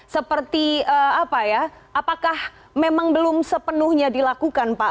seperti apa ya apakah memang belum sepenuhnya dilakukan pak